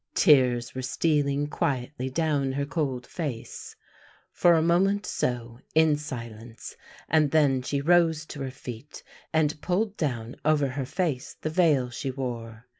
Tears were stealing quietly down her cold face. For a moment so, in silence, and then she rose to her feet and pulled down over her face the veil she wore.